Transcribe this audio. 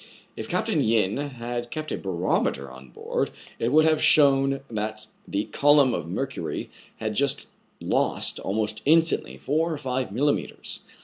If Capt. Yin had kept a barometer on board, it would have shown that the column of mercury had just lost, almost instantly, four or five milli metres.